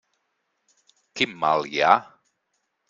Quin mal hi ha?